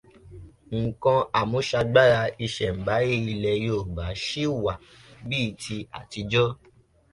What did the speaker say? Nǹkan àmúṣagbára ìṣẹ̀mbáyé ilẹ̀ Yorùbá ṣì wà bíi ti àtijọ́.